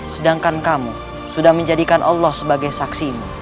sedangkan kamu sudah menjadikan allah sebagai saksimu